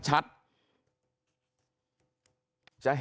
จะเห็นรถกระบะลักษณะคล้ายอิลซูซูสเปจแคปสีขาวที่ขับตามรถคนตายนะครับ